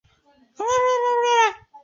今彰化县北斗镇。